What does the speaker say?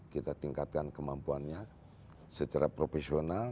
kita tingkatkan kemampuannya secara profesional